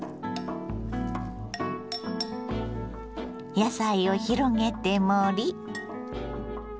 野菜を広げて盛り。